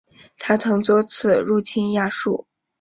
他曾多次入侵亚述。